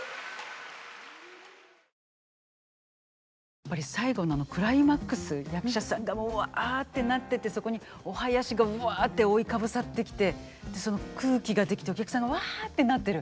やっぱり最後のクライマックス役者さんがもううわってなっててそこにお囃子がうわって覆いかぶさってきてその空気が出来てお客さんがわってなってる。